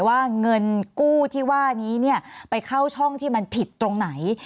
ว่าเงินกู้ที่ว่านี้ไปเข้าช่องที่มันผิดตรงไหน